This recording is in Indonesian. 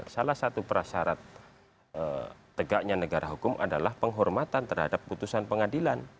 salah satu prasyarat tegaknya negara hukum adalah penghormatan terhadap putusan pengadilan